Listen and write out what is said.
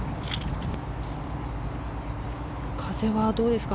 風はどうですか